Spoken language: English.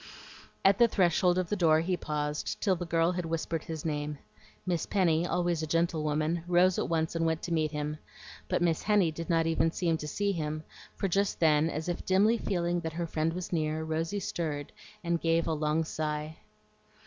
At the threshold of the door he paused, till the girl had whispered his name. Miss Penny, always a gentlewoman, rose at once and went to meet him, but Miss Henny did not even seem to see him, for just then, as if dimly feeling that her friend was near, Rosy stirred, and gave a long sigh.